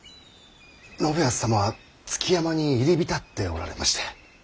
信康様は築山に入り浸っておられまして。